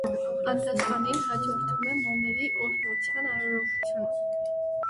Անդաստանին հաջորդում է մոմերի օրհնության արարողությունը։